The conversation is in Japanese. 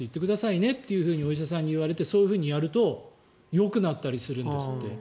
ねとお医者さんに言われてそういうふうにやるとよくなったりするんですって。